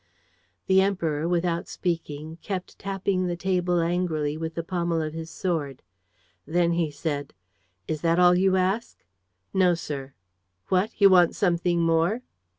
The Emperor, without speaking, kept tapping the table angrily with the pommel of his sword. Then he said: "Is that all you ask?" "No, sir." "What? You want something more?"